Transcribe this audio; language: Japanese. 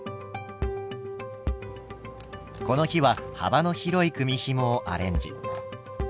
この日は幅の広い組みひもをアレンジ。